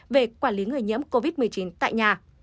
về quản lý người nhiễm covid một mươi chín tại nhà